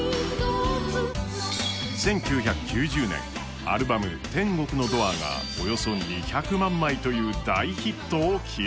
１９９０年、アルバム「天国のドア」がおよそ２００万枚という大ヒットを記録。